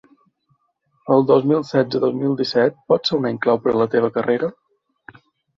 El dos mil setze-dos mil disset pot ser un any clau per a la teva carrera?